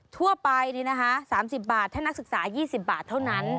ทั่วไป๓๐บาทถ้านักศึกษา๒๐บาทเท่านั้น